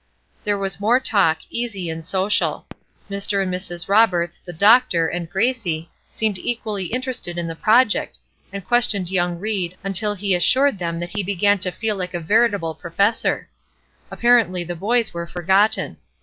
There was more talk, easy and social. Mr. and Mrs. Roberts, the doctor, and Gracie seemed equally interested in the project, and questioned young Ried, until he assured them that he began to feel like a veritable professor. Apparently the boys were forgotten.